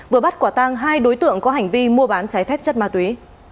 vừa bắt quả tang hai đối tượng có hành vi mua bán trái phép chất ma túy